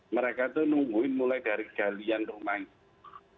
mereka itu nungguin mulai dari galian rumah itu